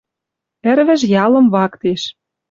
Ӹрвӹж ялым вактеш.